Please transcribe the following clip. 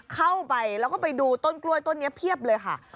เข้าไปแล้วก็ไปดูต้นกล้วยต้นนี้เพียบเลยค่ะ